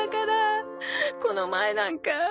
この前なんか。